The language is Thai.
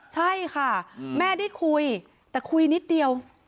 ใช่ค่ะแม่ได้คุยแต่คุยนิดเดียว